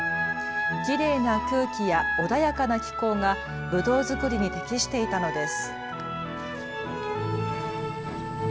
きれいな空気や穏やかな気候がぶどう作りに適していたのです。